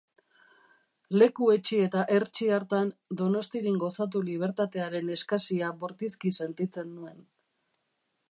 Leku hetsi eta hertsi hartan, Donostirin gozatu libertatearen eskasia bortizki sentitzen nuen.